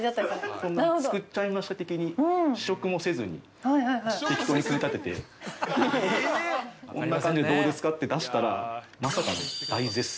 こんなの作っちゃいました的に、試食もせずに、適当に組み立てて、こんな感じでどうですかって出したら、まさかの大絶賛。